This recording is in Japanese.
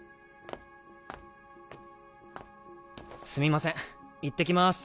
すみません行ってきます。